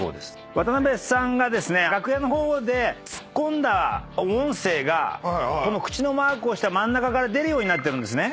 渡辺さんがですね楽屋の方でツッコんだ音声がこの口のマークをした真ん中から出るようになってるんですね。